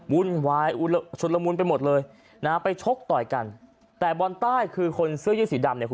วุ่นวายชุดละมุนไปหมดเลยนะฮะไปชกต่อยกันแต่บอลใต้คือคนเสื้อยืดสีดำเนี่ยคุณ